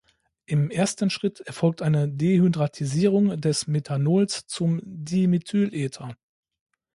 Im ersten Schritt erfolgt eine Dehydratisierung des Methanols zum Dimethylether.